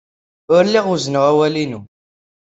Ur lliɣ wezzneɣ awal-inu.